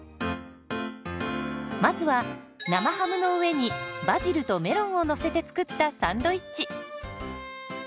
まずは生ハムの上にバジルとメロンをのせて作ったサンドイッチ。